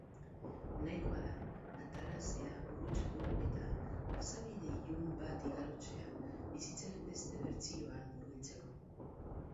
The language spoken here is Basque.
Nahikoa da atalasea gurutzatu eta pasabide ilun bat igarotzea bizitzaren beste bertsioan murgiltzeko.